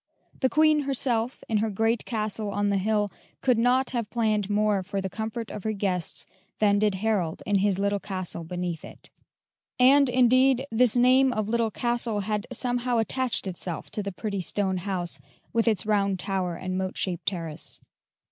The Queen herself, in her great castle on the hill, could not have planned more for the comfort of her guests than did Harold in his little castle beneath it; and, indeed, this name of Little Castle had somehow attached itself to the pretty stone house, with its round tower and moat shaped terrace.